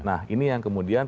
nah ini yang kemudian